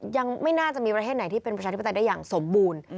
ยังไม่น่าจะมีประเทศไหนที่เป็นประชาธิปไตยได้อย่างสมบูรณ์